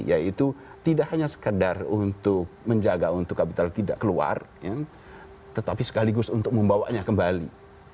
yaitu tidak hanya sekedar untuk menjaga untuk kapital tidak keluar tetapi sekaligus untuk membawanya kembali